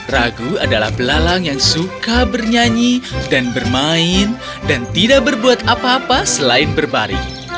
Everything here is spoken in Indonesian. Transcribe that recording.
ragu adalah belalang yang suka bernyanyi dan bermain dan tidak berbuat apa apa selain berbaring